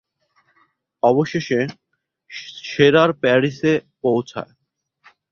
অবশেষে, সেরার প্যারিসে পৌঁছায়।